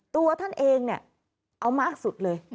ตัวท่านเองเอามาอักสุดเลย